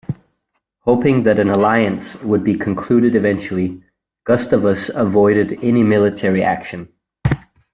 Hoping that an alliance would be concluded eventually, Gustavus avoided any military action.